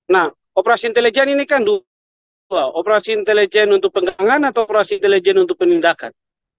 nah operasi intelijen ini kan operasi intelijen untuk penggangan atau operasi intelijen untuk penindakan